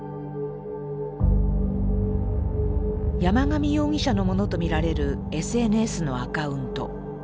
山上容疑者のものと見られるＳＮＳのアカウント。